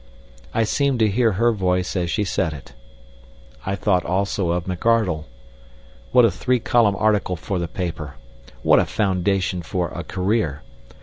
I seemed to hear her voice as she said it. I thought also of McArdle. What a three column article for the paper! What a foundation for a career!